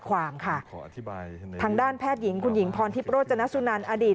ทางด้านแพทย์หญิงคุณหญิงพรทิพโรจนสุนันต์อดีต